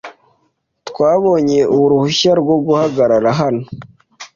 Twabonye uruhushya rwo guhagarara hano.